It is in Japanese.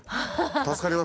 助かります。